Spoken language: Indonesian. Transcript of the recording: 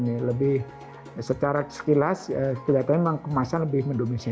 jadi secara sekilas kelihatannya memang kemasan lebih mendominasi